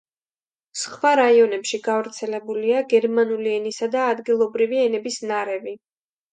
სხვა რაიონებში გავრცელებულია გერმანული ენისა და ადგილობრივი ენების ნარევი.